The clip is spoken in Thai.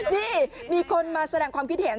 นี่มีคนมาแสดงความคิดเห็น